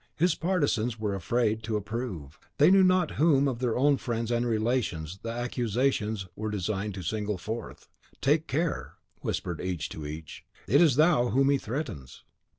His partisans were afraid to approve; they knew not whom of their own friends and relations the accusations were designed to single forth. "Take care!" whispered each to each; "it is thou whom he threatens."